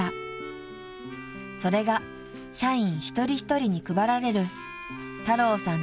［それが社員一人一人に配られる太郎さん